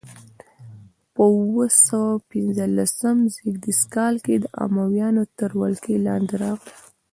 په اووه سوه پنځلسم زېږدیز کال د امویانو تر ولکې لاندې راغي.